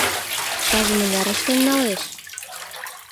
Ачаже мыняр ыштен налеш?»